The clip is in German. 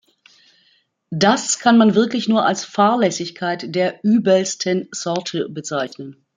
Das kann man wirklich nur als Fahrlässigkeit der übelsten Sorte bezeichnen.